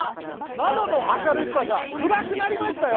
まどの明るさが暗くなりましたよ。